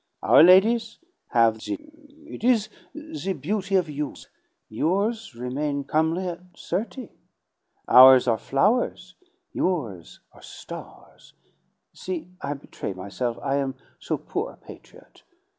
Our ladies have the it is the beauty of youth; yours remain comely at thirty. Ours are flowers, yours are stars! See, I betray myself, I am so poor a patriot.